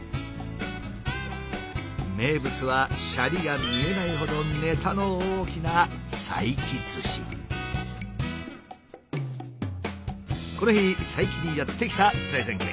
名物はシャリが見えないほどネタの大きなこの日佐伯にやって来た財前家。